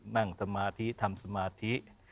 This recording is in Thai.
นั่งสมาธิทำสมาธิ